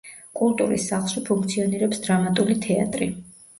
კულტურის სახლში ფუნქციონირებს დრამატული თეატრი.